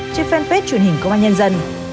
trên fanpage truyền hình công an nhân dân